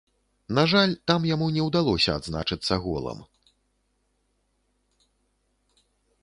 На жаль, там яму не ўдалося адзначыцца голам.